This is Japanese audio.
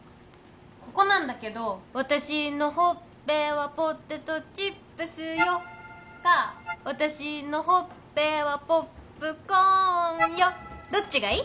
ここなんだけどわたしのほっぺはポテトチップスよかわたしのほっぺはポップコーンよどっちがいい？